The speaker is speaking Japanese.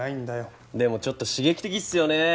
でもちょっと刺激的っすよね。